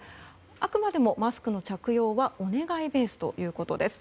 あくまでもマスク着用はお願いベースということです。